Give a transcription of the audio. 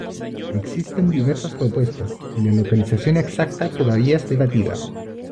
Existen diversas propuestas y la localización exacta todavía es debatida.